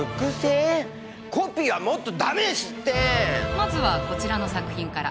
まずはこちらの作品から。